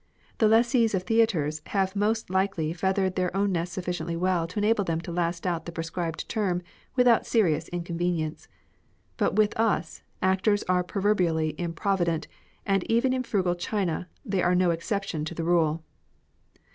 The lessees of theatres have most likely feathered their own nests sufficiently well to enable them to last out the prescribed term without serious inconvenience ; but with us, actors are proverbially improvident, and even in frugal Cliina they are no exception to the rule.